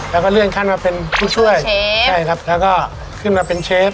แล้วก็เลื่อนขั้นมาเป็นผู้ช่วยเชฟใช่ครับแล้วก็ขึ้นมาเป็นเชฟ